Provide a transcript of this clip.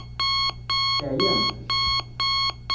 Teɛyamt?